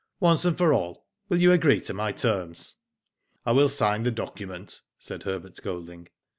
" Once for all, will you agree to my terms?'' "I will sign the document," said Herbert Golding.